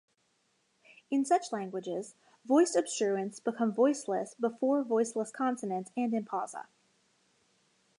In such languages, voiced obstruents become voiceless before voiceless consonants and in pausa.